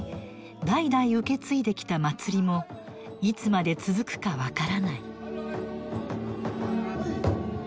代々受け継いできた祭りもいつまで続くか分からない。